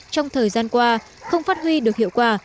trong thời gian qua không phát huy được hiệu quả